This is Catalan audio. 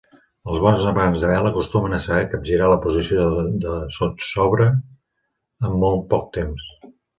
Els bons navegants de vela acostumen a saber capgirar la posició de sotsobre en molt poc temps.